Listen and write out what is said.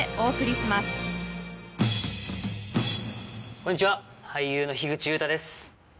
こんにちは俳優の口裕太です。